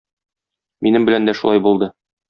Минем белән дә шулай булды.